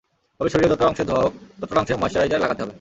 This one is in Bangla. তবে শরীরের যতটা অংশ ধোয়া হক, ততটা অংশে ময়েশ্চারাইজার লাগাতে হবে।